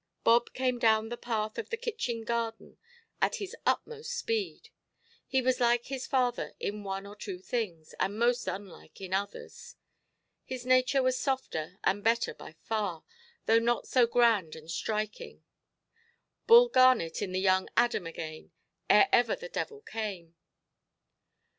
Bob came down the path of the kitchen garden at his utmost speed. He was like his father in one or two things, and most unlike in others. His nature was softer and better by far, though not so grand and striking—Bull Garnet in the young Adam again, ere ever the devil came.